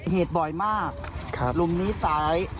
เหตุบ่อยมากลุมนี้ซ้าย